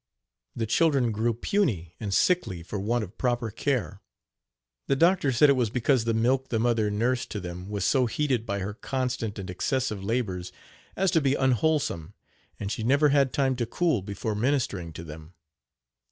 The children grew puny and sickly for want of proper care. The doctor said it was because the milk the mother nursed to them was so heated by her constant and excessive labors as to be unwholesome, and she never had time to cool before ministering to them.